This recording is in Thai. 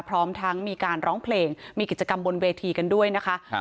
พร้อมทั้งมีการร้องเพลงมีกิจกรรมบนเวทีกันด้วยนะคะ